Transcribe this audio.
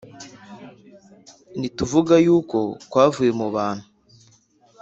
Nituvuga yuko kwavuye mu bantu